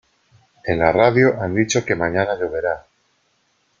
En la radio han dicho que mañana lloverá.